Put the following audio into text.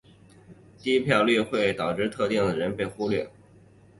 低投票率会导致特定的人士被忽略。